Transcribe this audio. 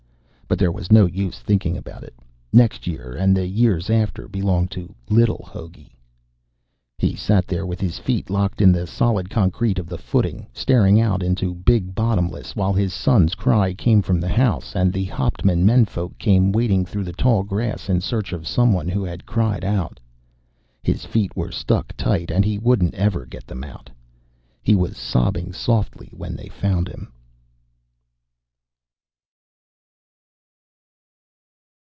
But there was no use thinking about it. Next year and the years after belonged to little Hogey. He sat there with his feet locked in the solid concrete of the footing, staring out into Big Bottomless while his son's cry came from the house and the Hauptman menfolk came wading through the tall grass in search of someone who had cried out. His feet were stuck tight, and he wouldn't ever get them out. He was sobbing softly when they found him.